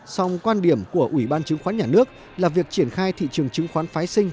song quan điểm của ủy ban chứng khoán nhà nước là việc triển khai thị trường chứng khoán phái sinh